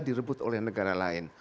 direbut oleh negara lain